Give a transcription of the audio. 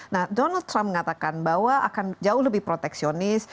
nah donald trump mengatakan bahwa akan jauh lebih proteksionis